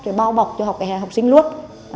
rồi bao bọc cho học sinh luôn